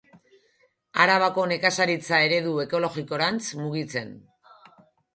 Arabako nekazaritza eredu ekologikorantz mugitzen.